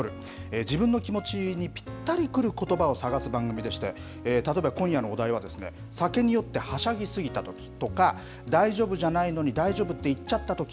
自分の気持ちにぴったりくることばを探す番組でして、例えば今夜のお題は、酒に酔ってはしゃぎ過ぎたときとか、大丈夫じゃないのに大丈夫って言っちゃったとき。